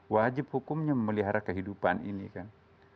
wajib hukumnya memelihara kehidupan ini kan